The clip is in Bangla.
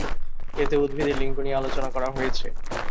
এতে উদ্ভিদের লিঙ্গ নিয়ে আলোচনা করা হয়েছে।